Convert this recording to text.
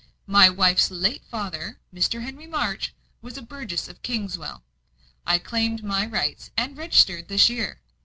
My wife's late father, Mr. Henry March, was a burgess of Kingswell. I claimed my rights, and registered, this year.